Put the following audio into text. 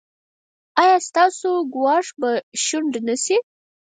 ایا ستاسو ګواښ به شنډ نه شي؟